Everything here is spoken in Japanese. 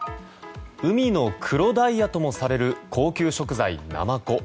海の黒ダイヤともされる高級食材ナマコ。